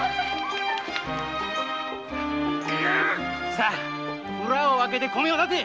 さあ蔵を開けて米をだせ！